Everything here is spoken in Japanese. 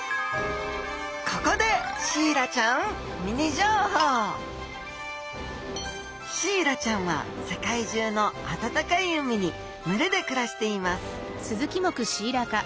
ここでシイラちゃんは世界中の温かい海に群れで暮らしています